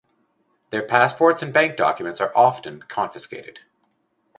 Their passports and bank documents are often confiscated.